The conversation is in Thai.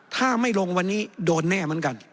ถ้าไม่ลงวันนี้โดนแน่เหมือนกัน